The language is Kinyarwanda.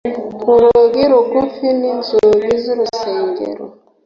Urugi rugufi n'inzugi z'urusengero